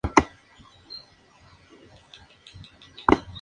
Algunas veces es tratado como conespecífico con este último.